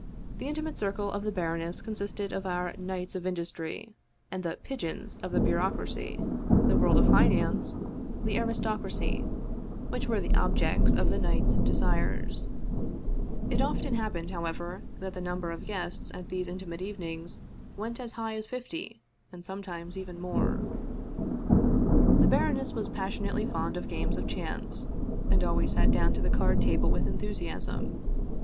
The intimate circle of the baroness consisted of our Knights of Industry and the " pigeons " of the bureaucracy, the world of finance, .the aristocracy, which were the objects of the knights' de 218 Vsevolod Vladimir ovitch Krcstovski sires. It often happened, however, that the number of guests at these intimate evenings went as high as fifty, and sometimes even more. The baroness was passionately fond of games of chance, and always sat down to the card table with enthusiasm.